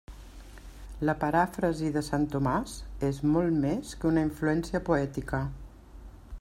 La paràfrasi de sant Tomàs és molt més que una influència poètica.